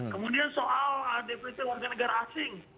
kemudian soal dpt warga negara asing